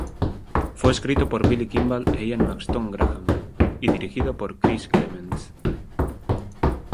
Fue escrito por Billy Kimball e Ian Maxtone-Graham, y dirigido por Chris Clements.